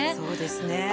そうですね。